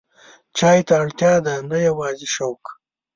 چای ته اړتیا ده، نه یوازې شوق.